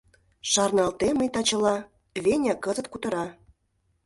Шарналтем мый тачыла, Веня кызыт кутыра